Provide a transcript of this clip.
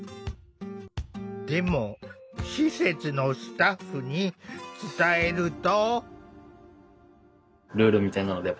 でも施設のスタッフに伝えると。